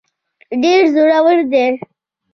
ډېر زورور دی.